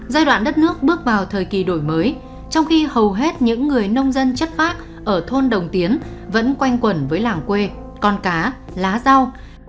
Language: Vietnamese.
giai đoạn đất nước bước vào thời kỳ đổi mới trong khi hầu hết những người nông dân chất phác ở thôn đồng tiến vẫn quanh quẩn với làng quê con cá lá rau